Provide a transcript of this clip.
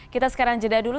kita sekarang jeda dulu